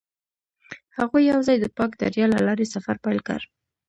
هغوی یوځای د پاک دریا له لارې سفر پیل کړ.